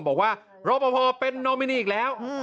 บอกว่ารอปภเป็นนอมินีอีกแล้ว